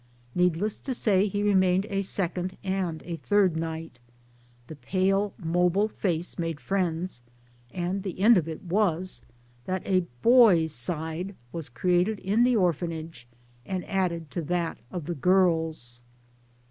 Needless to say he remained a second and a third night. The pale mobile face made friends ; and the end of it was that a boys' side was created in the orphanage and added to that of the girls